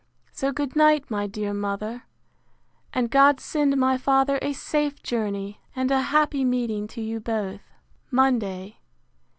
So good night, my dear mother: And God send my father a safe journey, and a happy meeting to you both! Monday.